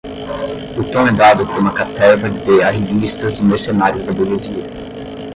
o tom é dado por uma caterva de arrivistas e mercenários da burguesia